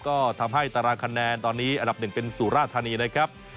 ก็ทำให้ตารางคะแนนตอนนี้อันดับหนึ่งเป็นสุราธานีนะครับ